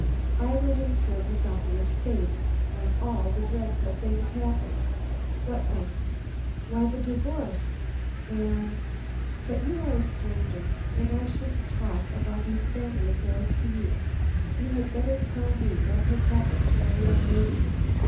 I was in service on the estate when all the dreadful things happened." "What things?" "Why the divorce and but you are a stranger and I shouldn't talk about these family affairs to you. You had better tell me what has happened to our young lady."